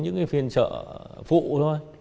những viên trợ phụ thôi